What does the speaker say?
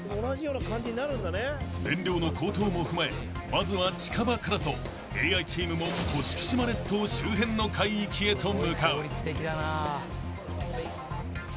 ［燃料の高騰も踏まえまずは近場からとＡＩチームも甑島列島周辺の海域へと向かう］